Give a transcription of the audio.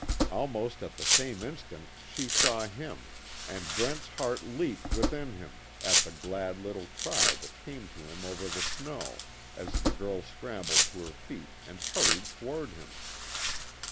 Almost at the same instant she saw him, and Brent's heart leaped within him at the glad little cry that came to him over the snow, as the girl scrambled to her feet and hurried toward him.